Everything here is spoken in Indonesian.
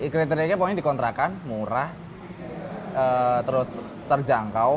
kriteria itu pokoknya dikontrakan murah terus terjangkau